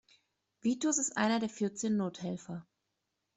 Vitus ist einer der Vierzehn Nothelfer.